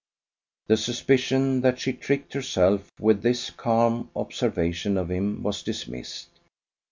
The suspicion that she tricked herself with this calm observation of him was dismissed.